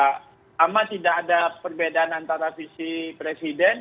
pertama tidak ada perbedaan antara visi presiden